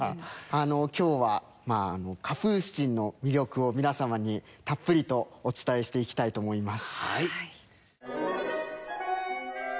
今日はカプースチンの魅力を皆様にたっぷりとお伝えしていきたいと思います。